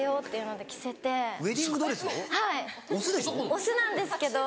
オスなんですけど。